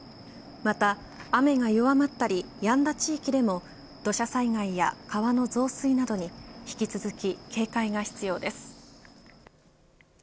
また、雨が弱まったりやんだ地域でも土砂災害や川の増水などに引き続き警戒が必要です。